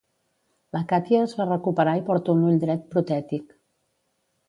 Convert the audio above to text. La Katya es va recuperar i porta un ull dret protètic.